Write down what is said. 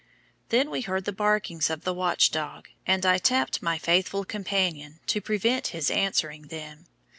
Then were heard the barkings of the watch dog, and I tapped my faithful companion to prevent his answering them.